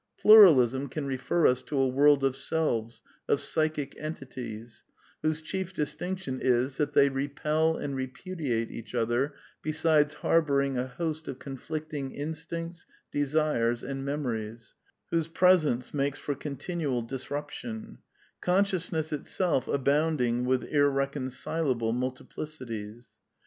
Pluralism can refer us to a world of selves, of psychic entities, whose chief distinction is that they repel and repudiate each other, besides harbouring a host of conflicting instincts, desires, and memories, whose presence makes for continual disruption ; consciousness it self abounding with irreconcilable multiplicities.